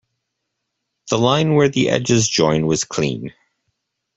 The line where the edges join was clean.